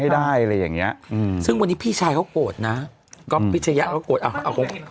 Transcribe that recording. ให้ได้อะไรอย่างเงี้ยอืมซึ่งวันนี้พี่ชายเขาโกรธนะก็พี่เจยะเขาโกรธ